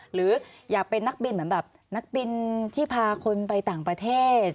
หรืออยากเป็นนักบินเหมือนแบบนักบินที่พาคนไปต่างประเทศ